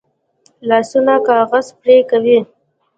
لاسونه کاغذ پرې کوي